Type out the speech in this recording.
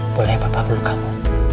boleh papa berubahmu